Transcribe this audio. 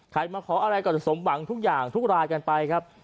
มาขออะไรก็จะสมหวังทุกอย่างทุกรายกันไปครับ